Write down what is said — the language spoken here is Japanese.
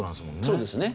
そうですね。